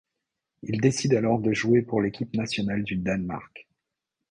Il décide alors de jouer pour l'équipe nationale du Danemark.